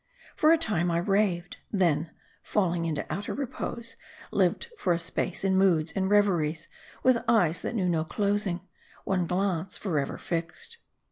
For a time I raved. Then, falling into outer repose, lived for a space in moods and reveries, with eyes that knew no closing, one glance forever fixed.